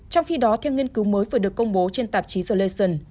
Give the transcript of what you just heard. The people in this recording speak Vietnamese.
trong khi đó theo nghiên cứu mới vừa được công bố trên tạp chí the leysen